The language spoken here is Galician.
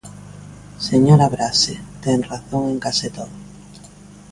Señora Braxe, ten razón en case todo.